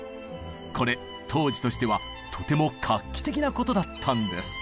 これ当時としてはとても画期的なことだったんです。